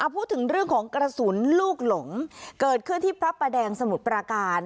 พูดถึงเรื่องของกระสุนลูกหลงเกิดขึ้นที่พระประแดงสมุทรปราการ